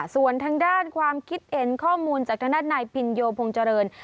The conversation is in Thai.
ส่วนทางด้านความคิดเห็นข้อมูลจากทางด้านนายพินโยพงษ์เจริญ